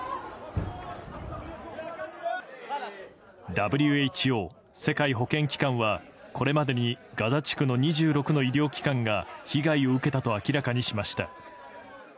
ＷＨＯ・世界保健機関はこれまでにガザ地区の２６の医療機関が被害を受けたと明らかにしました。